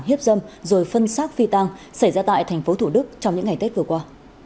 hiếp dâm rồi phân xác phi tăng xảy ra tại tp thủ đức trong những ngày tết vừa qua